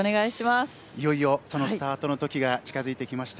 いよいよそのスタートの時が近づいてきました。